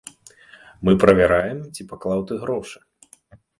Мы правяраем, ці паклаў ты грошы.